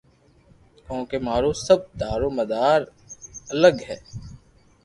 ڪونڪہ مارو سب دارو مدار اڪگ ھھي